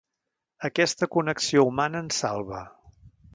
Aquesta connexió humana ens salva.